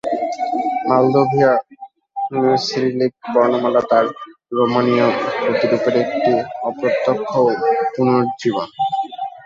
মলদোভীয় Cyrillic বর্ণমালা তার রোমানীয় প্রতিরূপের একটি "অপ্রত্যক্ষ" পুনরুজ্জীবন।